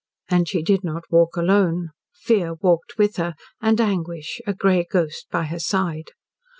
And she did not walk alone. Fear walked with her, and anguish, a grey ghost by her side.